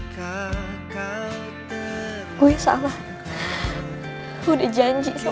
kau kira kau tersisa